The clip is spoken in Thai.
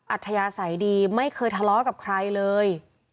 อัธยาศัยดีไม่เคยทะเลาะกับใครเลย